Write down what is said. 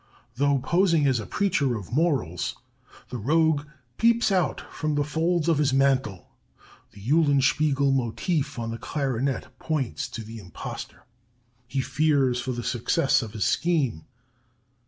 Though posing as a preacher of morals, the rogue peeps out from the folds of his mantle (the 'Eulenspiegel' motive on the clarinet points to the imposture). He fears for the success of his scheme.